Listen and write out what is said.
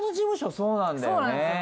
そうなんですよね。